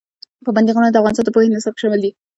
پابندی غرونه د افغانستان د پوهنې نصاب کې شامل دي.